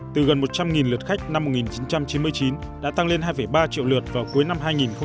từ gần một trăm linh lượt khách năm một nghìn chín trăm chín mươi chín đã tăng lên hai ba triệu lượt vào cuối năm hai nghìn một mươi tám